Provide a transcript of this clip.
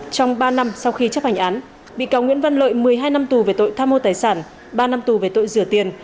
trong ba năm sau khi chấp hành án bị cáo nguyễn văn lợi một mươi hai năm tù về tội tham mô tài sản ba năm tù về tội rửa tiền